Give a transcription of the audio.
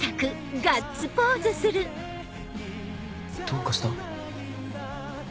どうかした？